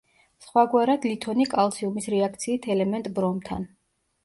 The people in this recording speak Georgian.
სხვაგვარად ლითონი კალციუმის რეაქციით ელემენტ ბრომთან.